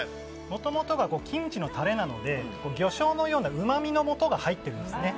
もともとはキムチのタレなので魚醤のようなうまみの素が入ってるんですね。